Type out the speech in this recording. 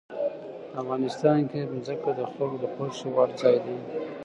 افغانستان کې ځمکه د خلکو د خوښې وړ ځای دی.